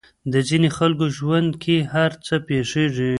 د ځينې خلکو ژوند کې هر څه پېښېږي.